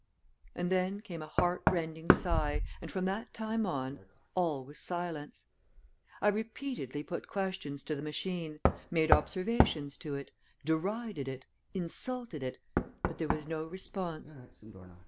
And then came a heart rending sigh, and from that time on all was silence. I repeatedly put questions to the machine, made observations to it, derided it, insulted it, but there was no response.